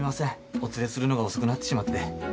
お連れするのが遅くなってしまって。